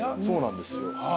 そうなんですよ。